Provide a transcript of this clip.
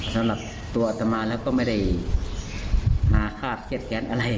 สำหรับตัวอัตมาแล้วก็ไม่ได้มาคาดเครียดแค้นอะไร